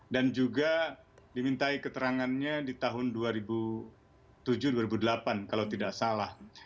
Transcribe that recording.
dan juga dimintai keterangannya di tahun dua ribu tujuh dua ribu delapan kalau tidak salah